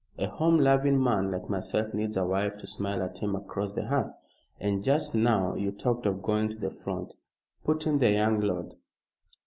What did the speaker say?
A home loving man like myself needs a wife to smile at him across the hearth." "And just now you talked of going to the front," put in the young lord.